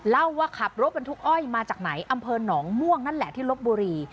เล่าว่าขับรถบรรทุกอ้อยมาจากไหนอำเภอหนองม่วงนั่นแหละที่ลบบุรี